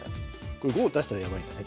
これ５出したらやばいんだね